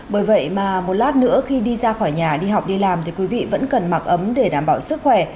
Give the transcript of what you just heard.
bởi vậy mà một lát nữa khi đi ra khỏi nhà đi học đi làm thì quý vị vẫn cần mặc ấm để đảm bảo sức khỏe